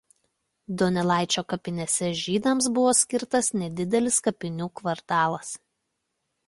Donelaičio kapinėse žydams buvo skirtas nedidelis kapinių kvartalas.